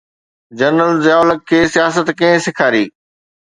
General Zia ul Haq سياست ڪنهن سيکاري؟